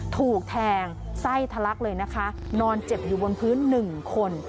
ถูกแทงไส้ทะลักเลยนะคะนอนเจ็บอยู่บนพื้นหนึ่งคน